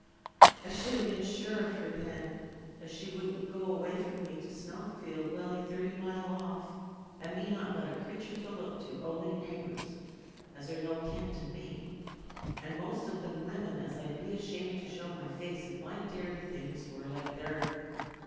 I should ha' been sure of her then, as she wouldn't go away from me to Snowfield, welly thirty mile off, and me not got a creatur to look to, only neighbours, as are no kin to me, an' most of 'em women as I'd be ashamed to show my face, if my dairy things war like their'n.